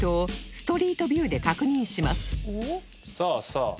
さあさあ